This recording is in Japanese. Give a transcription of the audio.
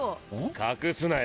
隠すなよ。